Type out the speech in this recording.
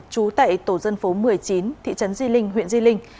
trú tại tổ dân phố một mươi chín thị trấn di linh huyện di linh